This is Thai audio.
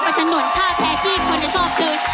ไปถนนชาติแท้ที่คนจะชอบเลย